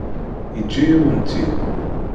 Yeǧǧa-yawen-tt-id.